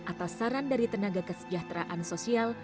atas saran dari tenaga kesejahteraan sosial